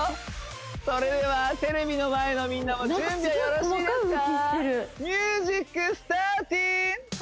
それではテレビの前のみんなも準備はよろしいですか？